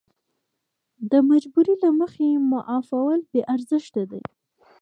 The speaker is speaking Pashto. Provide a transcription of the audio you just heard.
د مجبورۍ له مخې معافول بې ارزښته دي.